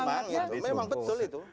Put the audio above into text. memang gitu memang betul itu